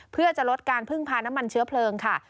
เพื่อจะลดการพึ่งพาน้ำมันเชื้อเพลิงค่ะ